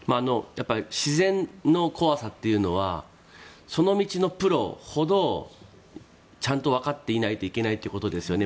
自然の怖さっていうのはその道のプロほどちゃんとわかっていないといけないということですよね。